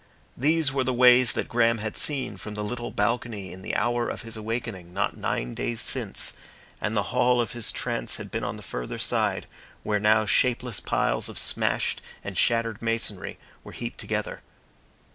These were the ways that Graham had seen from the little balcony in the hour of his awakening, not nine days since, and the hall of his Trance had been on the further side, where now shapeless piles of smashed and shattered masonry were heaped together.